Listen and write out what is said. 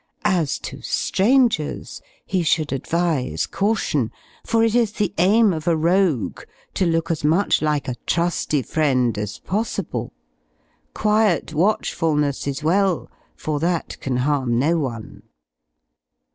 As to strangers, he should advise caution; for it is the aim of a rogue to look as much like a trusty friend as possible; quiet watchfulness is well, for that can harm no one.